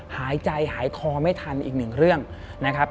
หายใจหายคอไม่ทันอีกหนึ่งเรื่องนะครับ